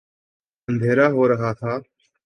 اندھیرا ہو رہا تھا۔